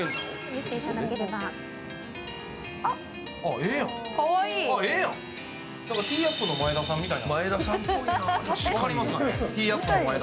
ええやん、ティーアップの前田さんみたいな。